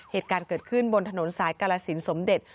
เหตุการณ์เกิดขึ้นบนถนนสายกาลสินสมเด็จ